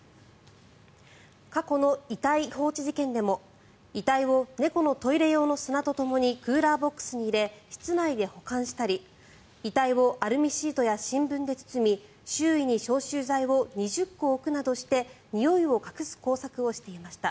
過去の遺体放置事件でも遺体を猫のトイレ用の砂とともにクーラーボックスに入れ室内で保管したり遺体をアルミシートや新聞で包み周囲に消臭剤を２０個置くなどしてにおいを隠す工作をしていました。